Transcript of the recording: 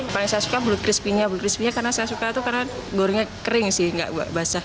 paling saya suka belut krispinya belut krispinya karena saya suka itu karena gorengnya kering sih gak basah